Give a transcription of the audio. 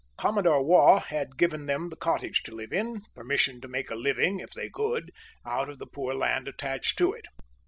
Commodore Waugh had given them the cottage to live in, permission to make a living, if they could, out of the poor land attached to it.